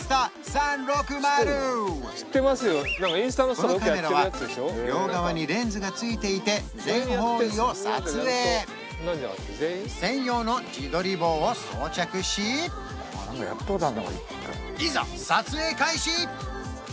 このカメラは両側にレンズが付いていて全方位を撮影専用の自撮り棒を装着しいざ撮影開始！